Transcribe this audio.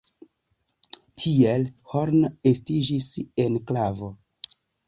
Tiel Horn estiĝis enklavo.